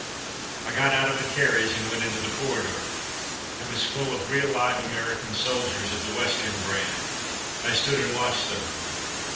I got out of the carriage and went into the corridor. It was full of real live American soldiers of the Western brand. I stood and watched them.